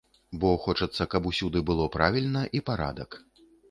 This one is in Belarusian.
Бо хочацца, каб усюды было правільна і парадак.